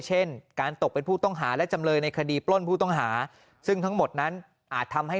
เช่นการตกเป็นผู้ต้องหาและจำเลยในคดีปล้นผู้ต้องหาซึ่งทั้งหมดนั้นอาจทำให้